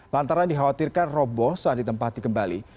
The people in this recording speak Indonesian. lantaran dikhawatirkan roboh saat ditempati kembali